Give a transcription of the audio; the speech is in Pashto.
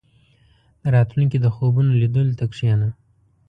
• د راتلونکي د خوبونو لیدلو ته کښېنه.